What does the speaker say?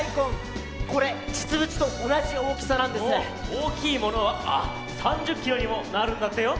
おおきいものはあっ３０キロにもなるんだってよ！